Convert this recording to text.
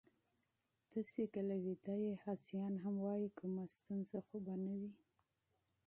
ته چې کله ویده یې، هذیان هم وایې، کومه ستونزه خو به نه وي؟